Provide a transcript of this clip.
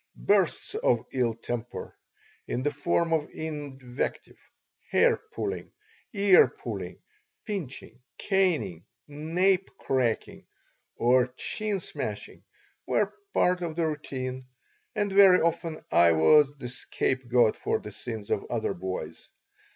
Bursts of ill temper, in the form of invective, hair pulling, ear pulling, pinching, caning, "nape cracking," or "chin smashing," were part of the routine, and very often I was the scapegoat for the sins of other boys.